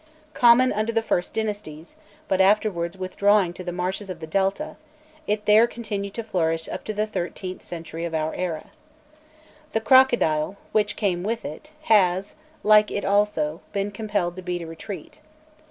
Common under the first dynasties, but afterwards withdrawing to the marshes of the Delta, it there continued to flourish up to the thirteenth century of our era. The crocodile, which came with it, has, like it also, been compelled to beat a retreat.